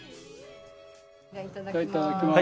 いただきます。